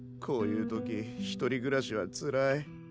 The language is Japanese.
こういう時１人暮らしはつらい。